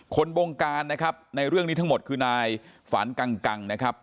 บงการนะครับในเรื่องนี้ทั้งหมดคือนายฝันกังนะครับ